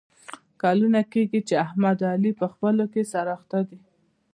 کلونه کېږي چې احمد او علي په خپلو کې سره اخته دي.